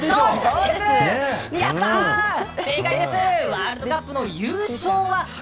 ワールドカップの優勝でしょ！